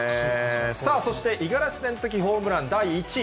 さあ、そして五十嵐さん的ホームラン第１位。